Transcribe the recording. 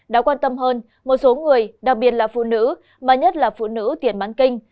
đáng quan tâm hơn một số người đặc biệt là phụ nữ mà nhất là phụ nữ tiền bán kinh